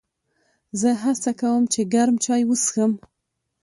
زه هڅه کوم چې ګرم چای وڅښم.